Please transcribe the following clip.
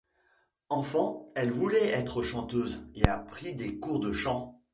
Enfant, elle voulait être chanteuse et a pris des cours de chant.